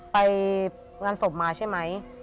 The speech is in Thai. ไปงานศพมาใช่ไหม